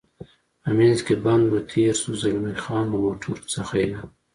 په منځ کې بند و، تېر شو، زلمی خان: له موټرو څخه یې.